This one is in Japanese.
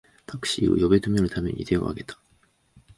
タクシーを呼び止めるために手をあげた